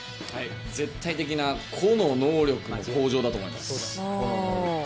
絶対的な個の能力の向上だと思います。